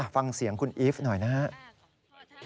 ฟังเสียงคุณอีฟหน่อยนะครับ